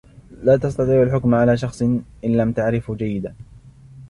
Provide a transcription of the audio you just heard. لا تستطيع الحكم على شخص إن لم تعرفه جيدا.